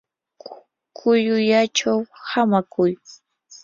kullullachaw hamakuy.